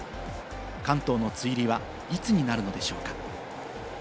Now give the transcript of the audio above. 関東の梅雨入りはいつになるのでしょうか？